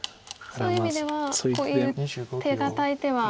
そういう意味ではこういう手堅い手は。